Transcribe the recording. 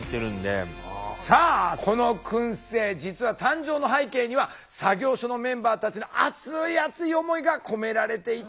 さあこのくん製実は誕生の背景には作業所のメンバーたちの熱い熱い思いが込められていたんですよ。